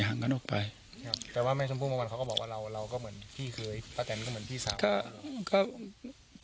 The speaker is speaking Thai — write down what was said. แต่ว่าแม่จมพู่มันเขาก็บอกว่าเราก็เหมือนพี่เคยประแทนก็เหมือนพี่สาว